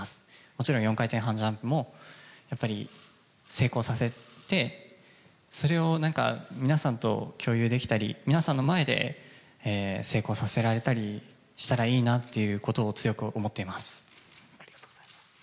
もちろん４回転半ジャンプも、やっぱり成功させて、それをなんか、皆さんと共有できたり、皆さんの前で成功させられたりしたらいいなっていうことを、強く思っています。